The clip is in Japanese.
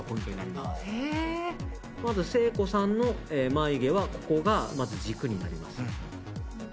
まず誠子さんの眉毛はここが軸になります。